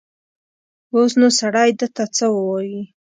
اوس نو سړی ده ته څه ووايي.